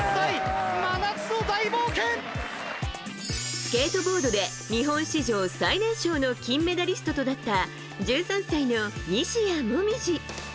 スケートボードで日本史上最年少の金メダリストとなった１３歳の西矢椛。